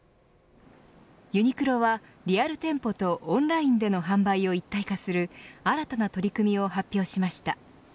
ユニクロはリアル店舗とオンラインでの販売を一体化する新たな取り組みを発表しました。